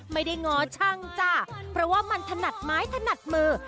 ง้อช่างจ้ะเพราะว่ามันถนัดไม้ถนัดมือ